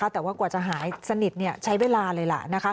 แต่ว่ากว่าจะหายสนิทใช้เวลาเลยล่ะ